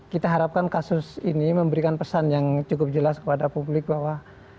kita harapkan kasus ini memberikan pesan yang cukup jelas kepada publik bahwa